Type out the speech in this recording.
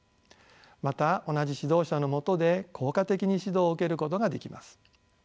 また同じ指導者のもとで効果的に指導を受けることができます。